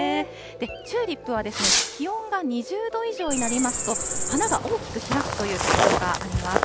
チューリップは気温が２０度以上になりますと、花が大きく開くという特徴があります。